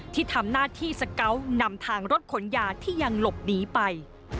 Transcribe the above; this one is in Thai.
ที่ทำหน้าที่สเกาะนำทางรถขนยาที่ยังหลบหนีไป